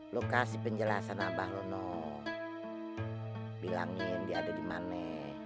lo kasih penjelasan abah lono bilangin dia ada di mana